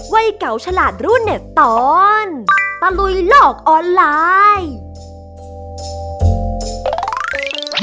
วัยเก่าฉลาดรุ่นเนี่ยตอนตะลุยหลอกออนไลน์